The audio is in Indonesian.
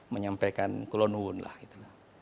menyampaikan kelonuhun lah gitu